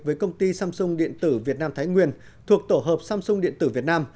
với công ty samsung điện tử việt nam thái nguyên thuộc tổ hợp samsung điện tử việt nam